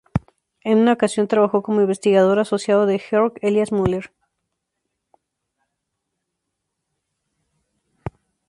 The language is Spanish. En una ocasión trabajó como investigador asociado de Georg Elias Müller.